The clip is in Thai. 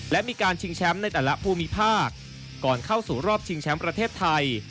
และมีการชิงแชมป์ในแต่ละภูมิภาคก่อนเข้าสู่รอบชิงแชมป์ประเทศไทย